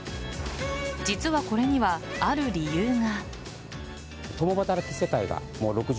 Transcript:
実はこれにはある理由が。